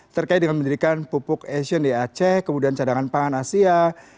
terkait dengan mendirikan pupuk asian di aceh kemudian cadangan pangan asia